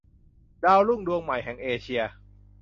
ดาวรุ่งดวงใหม่แห่งเอเชีย